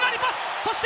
そして。